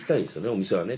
お店はね。